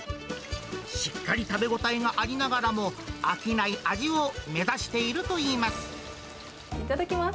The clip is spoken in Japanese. しっかり食べ応えがありながらも、飽きない味を目指しているといいます。